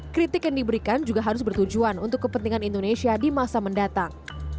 kritik yang diberikan juga harus bertujuan untuk kepentingan indonesia di masa mendatang